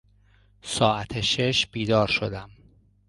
ساعت شش بیدار شدم.